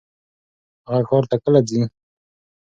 هغه ښار ته کله ځي؟